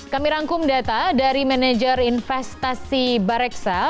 kami rangkum data dari manajer investasi bareksa